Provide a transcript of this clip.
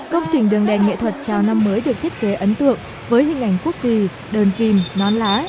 công trình đường đèn nghệ thuật chào năm mới được thiết kế ấn tượng với hình ảnh quốc kỳ đơn kìm non lá